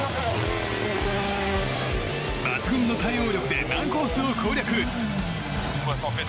抜群の対応力で難コースを攻略。